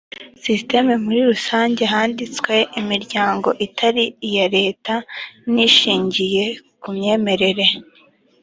system muri rusange handitswe imiryango itari iya leta n ishingiye ku myemerere